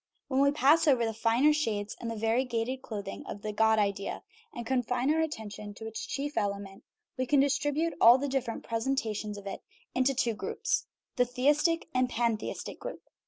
When we pass over the finer shades and the varie gated clothing of the God idea and confine our atten tion to its chief element, we can distribute all the dif ferent presentations of it in two groups the theistic and pantheistic group.